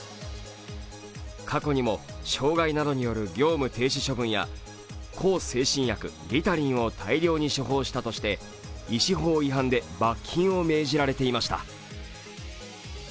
過去にも、傷害などによる業務停止処分や向精神薬リタリンを大量に処方したとして医師法違反で罰金を命じられていました。